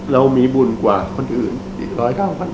เรามีบุญกว่าคนอื่นอยู่๑๐๐๐๐๐ค่า